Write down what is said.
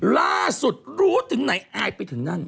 ล่าสุดรู้ถึงไหนอายไปถึงนั่น